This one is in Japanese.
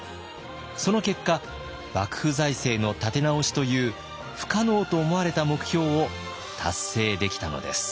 その結果幕府財政の立て直しという不可能と思われた目標を達成できたのです。